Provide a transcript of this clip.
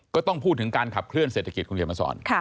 ก็ต้องพูดถึงการขับเคลื่อเศรษฐกิจคุณเขียนมาสอน